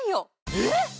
えっ⁉